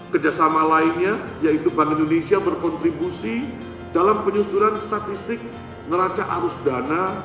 kerjasama lainnya yaitu bank indonesia berkontribusi dalam penyusuran statistik neraca arus dana